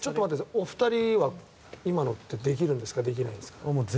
お二人は今のできるんですか？